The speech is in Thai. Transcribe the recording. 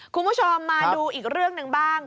คุณผู้ชมมาดูอีกเรื่องหนึ่งบ้าง